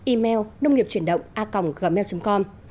email nông nghiệpchuyểnđộnga gmail com